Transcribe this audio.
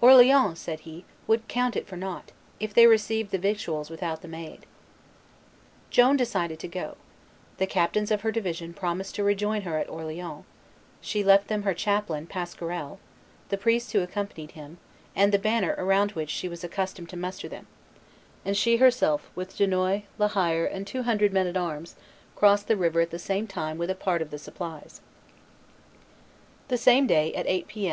"Orleans," said he, "would count it for nought, if they received the victuals without the Maid." Joan decided to go: the captains of her division promised to rejoin her at Orleans; she left them her chaplain, Pasquerel, the priests who accompanied him, and the banner around which she was accustomed to muster them; and she herself, with Dunois, La Hire, and two hundred men at arms, crossed the river at the same time with a part of the supplies. [Illustration: JOAN ENTERING ORLEANS 104] The same day, at eight P. M.